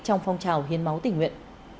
trong phong trào hiến máu tỉnh nguyện